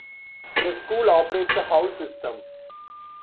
The school operates a house system.